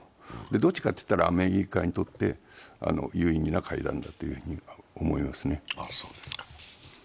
どっちかというとアメリカにとって、有意義な会談だったと思いますね。